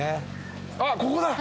あっここだ。